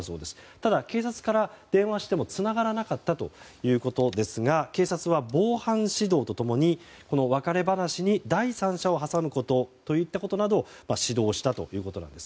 ただ、警察から電話してもつながらなかったということですが警察は防犯指導と共に別れ話に第三者を挟むことなどといったことを指導したということです。